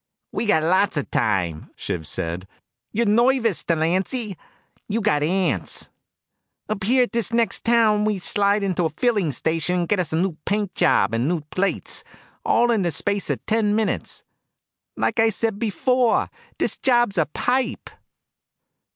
"We got lots of time," Shiv said. "You're noivous, Delancy. You got ants. Up here at this next town we slide into a filling station and get us a new paint job and new plates, all in the space of ten minutes. Like I said before, dis job is a pipe."